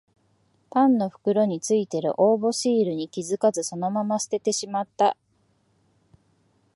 パンの袋についてる応募シールに気づかずそのまま捨ててしまった